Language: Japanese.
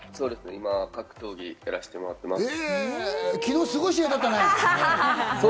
今、格闘技やらしてもらってます。